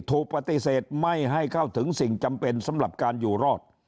ถูกปฏิเสธไม่ให้เข้าถึงสิ่งจำเป็นสำหรับการอยู่รอด